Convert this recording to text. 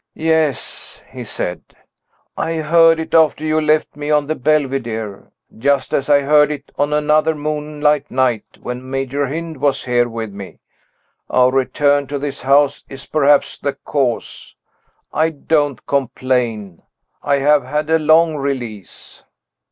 "Yes," he said; "I heard it after you left me on the Belvidere just as I heard it on another moonlight night, when Major Hynd was here with me. Our return to this house is perhaps the cause. I don't complain; I have had a long release."